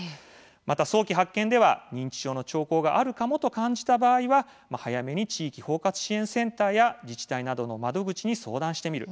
また早期発見では認知症の兆候があるかもと感じた場合早めに地域包括支援センターや自治体などの窓口に相談してみる。